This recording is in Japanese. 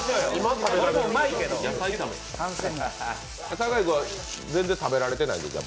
酒井君は全然食べられてないんだ？